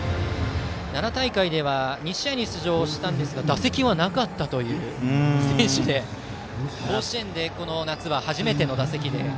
奈良大会では２試合出場して打席はなかったという選手で甲子園でこの夏は初めての打席で。